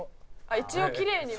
「一応きれいに」